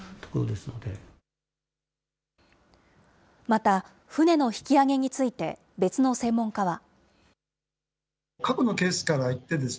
また、船の引き揚げについて、別の専門家は。